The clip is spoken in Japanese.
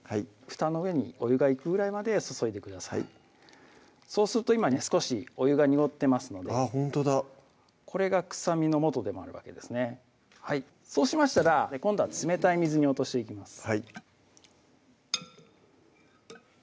ふたの上にお湯がいくぐらいまで注いでくださいそうすると今ね少しお湯が濁ってますのでこれが臭みのもとでもあるわけですねそうしましたら今度は冷たい水に落としていきます